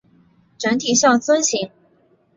整体像樽形。